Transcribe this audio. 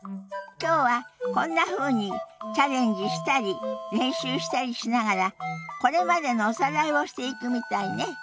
きょうはこんなふうにチャレンジしたり練習したりしながらこれまでのおさらいをしていくみたいね。